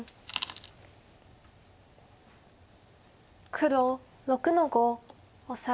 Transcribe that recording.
黒６の五オサエ。